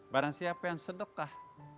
barang siapa yang sadakah